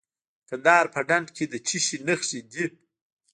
د کندهار په ډنډ کې د څه شي نښې دي؟